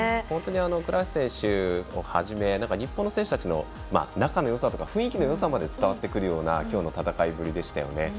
倉橋選手をはじめ日本の選手たちの仲のよさとか雰囲気のよさまで伝わってくるようなきょうの戦いぶりでしたよね。